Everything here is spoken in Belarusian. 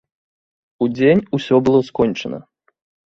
Удзень усё было скончана.